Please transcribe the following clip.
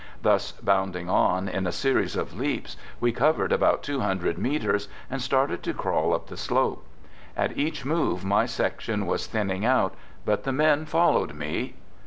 Thus bound ing on, in a series of leaps, we covered about two hundred meters, and started to crawl up the slope. At each move my section was thinning out, but the men followed me.